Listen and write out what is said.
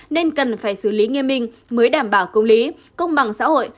nên cần phải xử lý nghiêm minh mới đảm bảo công lý công bằng xã hội